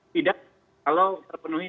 tidak kalau terpenuhi